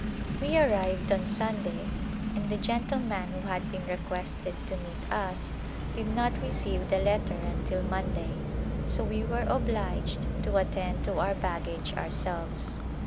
We arrived on Sunday and the gentleman who had been requested to meet us did not receive the letter until Monday, so we were obliged to attend to our baggage ourselves.